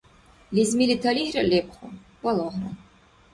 Лезмили талихӀра лебху, балагьра.